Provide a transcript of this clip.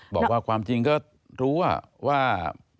บอกว่าความจริงก็รู้ว่า